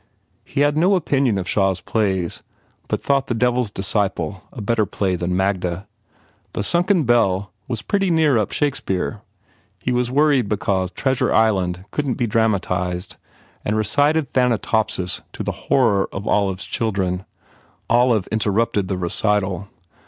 He had no opinion of Shaw s plays but thought "The Devil s Disciple" a better play than "Magda." "The Sunken Bell" was "pretty near up to Shakespeare." He was worried because "Treasure Island" couldn t be dramatized and recited "Thanatopsis" to the horror of Olive s children. Olive interrupted the recital.